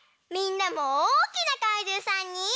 みんなもおおきなかいじゅうさんに。